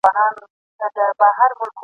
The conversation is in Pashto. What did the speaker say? توتکۍ چي ځالګۍ ته را ستنه سوه ..